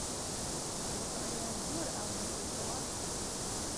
وه ئایا زۆر ئاو دەخۆیتەوە